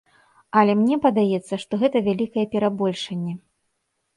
Але мне падаецца, што гэта вялікае перабольшанне.